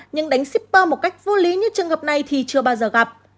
nhưng đánh shipper một cách vô lý như trường hợp này thì chưa bao giờ gặp